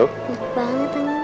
enak banget tante